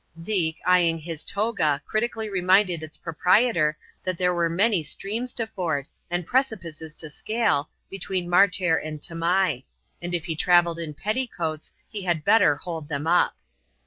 Zeke, eyeing his toga critically reminded its pro prietor that there were many streams to ford, and precipices to scale, between Martair and Tamai ; and if he travelled in petticoats, he had better hold them up.